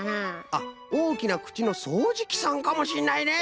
あっおおきなくちのそうじきさんかもしんないね。